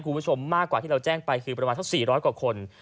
คุณผู้ชมมากกว่าที่เราแจ้งไปคือประมาณสัก๔๐๐กว่าคน